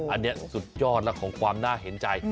อันนี้สุดยอดแล้วของความน่าเห็นใจ